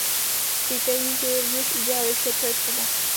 Říkají, že již udělali vše, co je třeba.